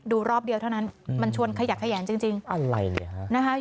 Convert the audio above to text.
ดูรอบเดียวเท่านั้นมันชวนขยักขยันจริงจริงอะไรเนี่ยค่ะนะฮะ